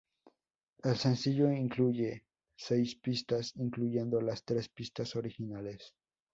El sencillo incluye seis pistas, incluyendo las tres pistas originales.